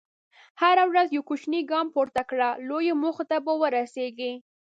هره ورځ یو کوچنی ګام پورته کړه، لویو موخو ته به ورسېږې.